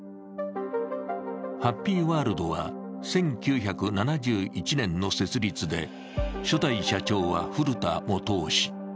ハッピーワールドは１９７１年の設立で初代社長は、古田元男氏。